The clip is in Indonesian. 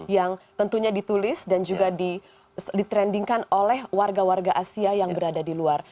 yang tentunya ditulis dan juga di trendingkan oleh warga warga asia yang berada di luar